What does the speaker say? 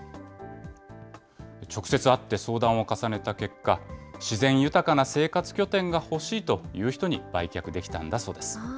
直接会って相談を重ねた結果、自然豊かな生活拠点が欲しいという人に売却できたんだそうです。